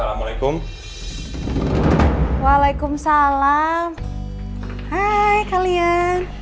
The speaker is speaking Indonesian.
assalamualaikum waalaikumsalam hai kalian